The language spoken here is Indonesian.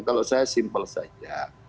kalau saya simpel saja